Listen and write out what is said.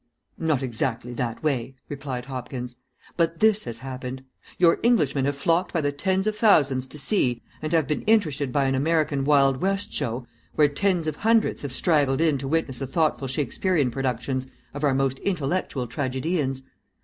"Not exactly that way," replied Hopkins. "But this has happened. Your Englishmen have flocked by the tens of thousands to see, and have been interested by an American Wild West show, where tens of hundreds have straggled in to witness the thoughtful Shakespearian productions of our most intellectual tragedians.